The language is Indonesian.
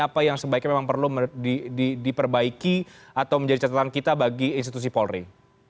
apa yang sebaiknya memang perlu diperbaiki atau menjadi catatan kita bagi institusi polri